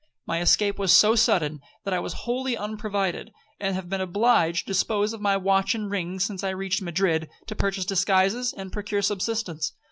My escape was so sudden, that I was wholly unprovided, and have been obliged to dispose of my watch and rings since I reached Madrid, to purchase disguises and procure subsistence.